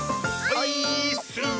オイーッス！